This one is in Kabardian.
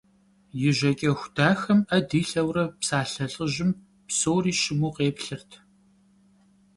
И жьакӏэху дахэм ӏэ дилъэурэ псалъэ лӏыжьым псори щыму къеплъырт.